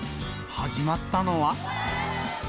始まったのは。